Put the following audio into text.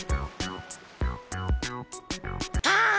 ああ！